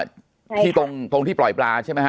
ที่ตรงตรงที่ปล่อยปลาใช่ไหมฮ